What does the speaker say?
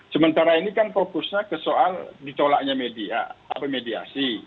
sementara ini kan fokusnya ke soal ditolaknya mediasi